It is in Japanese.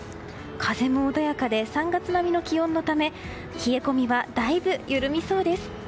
風も穏やかで３月並みの気温のため冷え込みはだいぶ緩みそうです。